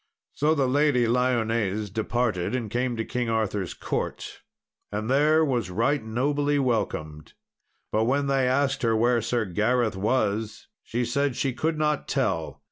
So the Lady Lyones departed and came to King Arthur's court, and there was right nobly welcomed. And when they asked her where Sir Gareth was, she said she could not tell.